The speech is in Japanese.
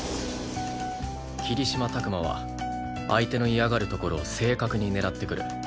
霧島琢磨は相手の嫌がるところを正確に狙ってくる。